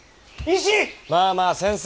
まあまあ先生。